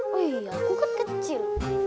wih aku kan kecil